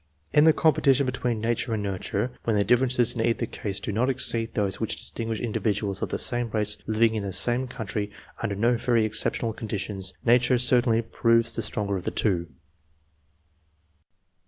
In the compe tition between nature and nurture, when the differences in either case do not exceed those which distinguish individuals of the same race living in the same country under no very ex ceptional conditions, nature certainly proves the stronger of the two.